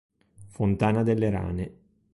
Fontana delle Rane